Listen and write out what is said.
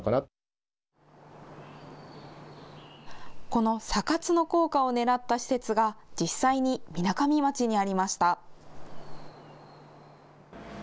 このサ活の効果をねらった施設が実際にみなかみ町にありました。